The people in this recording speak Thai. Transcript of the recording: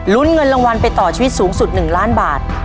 เงินรางวัลไปต่อชีวิตสูงสุด๑ล้านบาท